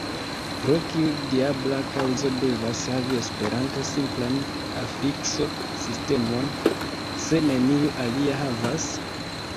Pro kiu diabla kaŭzo devas havi Esperanto simplan afikso-sistemon, se neniu alia havas?